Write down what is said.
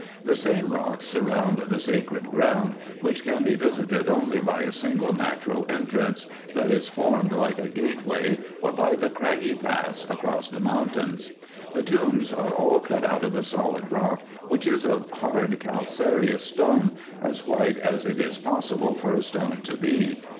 The same rocks surround the sacred ground, which can be visited only by a single natural entrance, that is formed like a gateway, or by the craggy paths across the mountains. The tombs are all cut out of the solid rock, which is of hard calcareous stone, as white as it is possible for a stone to be.